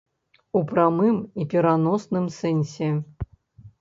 У прамым і пераносным сэнсе.